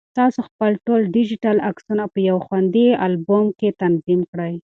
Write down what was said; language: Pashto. تاسو خپل ټول ډیجیټل عکسونه په یو خوندي البوم کې تنظیم کړئ.